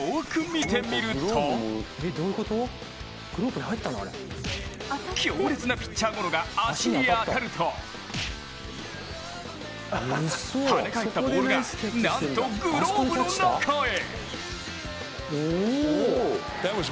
見てみると強烈なピッチャーゴロが足に当たると跳ね返ったボールがなんとグローブの中へ。